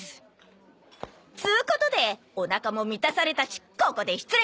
っつうことでおなかも満たされたしここで失礼！